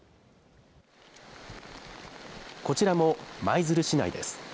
こちらも舞鶴市内です。